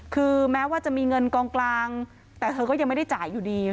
คือแม้ว่าจะมีเงินกองกลางแต่เธอก็ยังไม่ได้จ่ายอยู่ดี